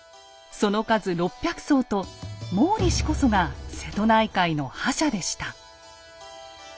その数６００艘と毛利氏こそが瀬戸内海の覇者でした。